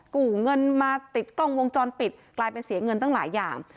กู้เงินมาติดกล้องวงจรปิดกลายเป็นเสียเงินตั้งหลายอย่าง